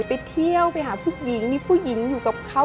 ไปเที่ยวไปหาผู้หญิงมีผู้หญิงอยู่กับเขา